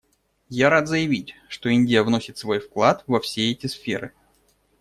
Я рад заявить, что Индия вносит свой вклад во все эти сферы.